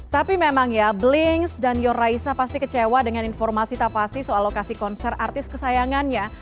tapi memang ya blinks dan yor raisa pasti kecewa dengan informasi tak pasti soal lokasi konser artis kesayangannya